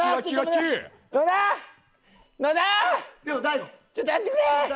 ちょっと待ってくれ！